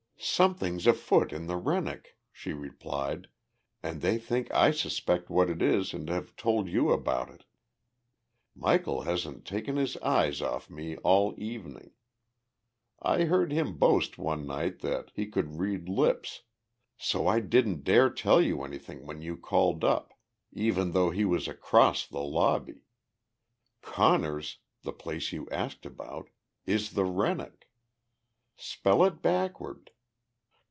"Something's afoot in the Rennoc," she replied, "and they think I suspect what it is and have told you about it. Michel hasn't taken his eyes off me all evening. I heard him boast one night that he could read lips, so I didn't dare tell you anything when you called up, even though he was across the lobby. Conner's, the place you asked about, is the Rennoc. Spell it backward.